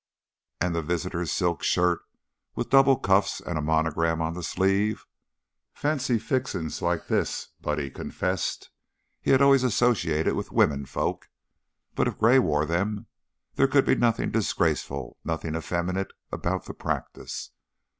And the visitor's silk shirt, with double cuffs and a monogram on the sleeve! Fancy "fixin's" like this, Buddy confessed, he had always associated with womenfolks, but if Gray wore them there could be nothing disgraceful, nothing effeminate about the practice.